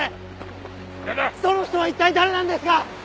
その人は一体誰なんですか！？